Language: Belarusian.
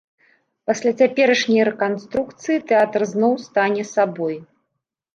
Пасля цяперашняй рэканструкцыі тэатр зноў стане сабой.